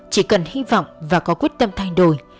chỉ cần hy vọng và có quyết tâm thay đổi